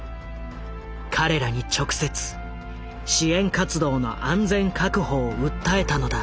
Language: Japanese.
彼らに直接支援活動の安全確保を訴えたのだ。